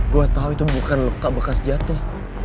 gue tau itu bukan luka bekas jatoh